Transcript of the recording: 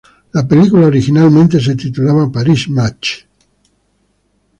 La película originalmente se titulaba "Paris Match".